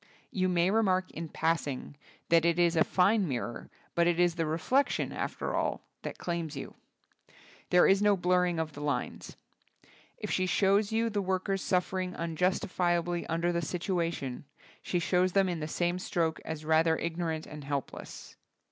You may remark in passing that it is a fine mirror, but it is the reflection, after all, that claims you. There is no blurring of the lines. If she shows you the workers suffering unjustifi ably under the situation, she shows them in the same stroke as rather ig norant and helpless.